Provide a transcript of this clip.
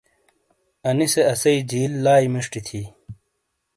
انی سے اسی جیل لائی مݜٹی تھیی۔